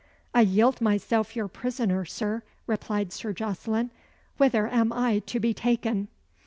"I yield myself your prisoner, Sir," replied Sir Jocelyn. "Whither am I to be taken?"